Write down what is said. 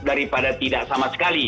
daripada tidak sama sekali